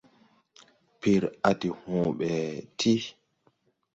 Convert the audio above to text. Pir a de hõõ bɛ ti.